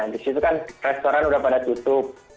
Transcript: di situ kan restoran udah pada tutup